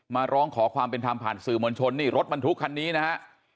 มาร้องขอความเป็นธรรมผ่านสื่อมวลชนนี่รถบรรทุกคันนี้นะฮะ